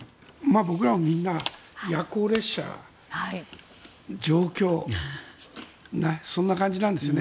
僕らもみんな夜行列車、上京そんな感じなんですよね。